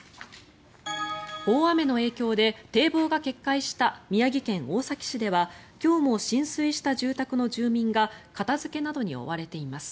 大雨の影響で堤防が決壊した宮城県大崎市では今日も浸水した住宅の住民が片付けなどに追われています。